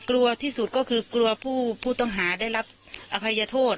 กลัวที่สุดก็คือกลัวผู้ต้องหาได้รับอภัยโทษ